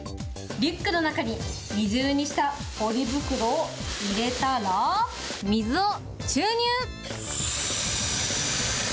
リックの中に二重にしたポリ袋を入れたら、水を注入。